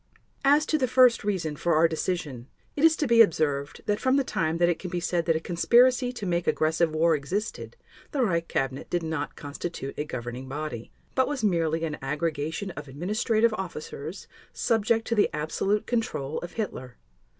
As to the first reason for our decision, it is to be observed that from the time that it can be said that a conspiracy to make aggressive war existed the Reich Cabinet did not constitute a governing body, but was merely an aggregation of administrative officers subject to the absolute control of Hitler.